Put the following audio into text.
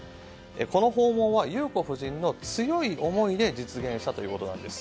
この訪問は裕子夫人の強い思いで実現したということです。